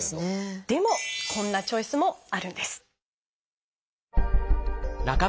でもこんなチョイスもあるんです。